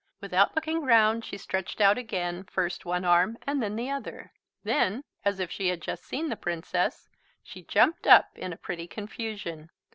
Without looking round she stretched out again first one arm and then the other. Then, as if she had just seen the Princess, she jumped up in a pretty confusion.